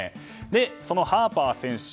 そのハーパー選手